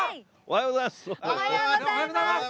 おはようございます。